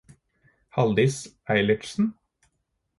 Halldis Eilertsen